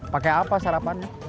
pakai apa sarapan